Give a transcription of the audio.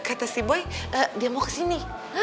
kata si boy dia mau kesini